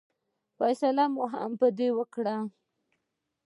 فیصله مو په دې وکړه.